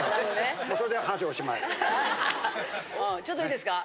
ちょっといいですか？